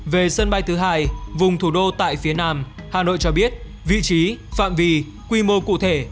về sân bay thứ hai vùng thủ đô tại phía nam hà nội cho biết vị trí phạm vi quy mô cụ thể